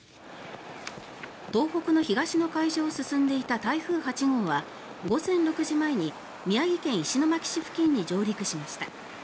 東北の東の海上を進んでいた台風８号は午前６時前に宮城県石巻市付近に上陸しました。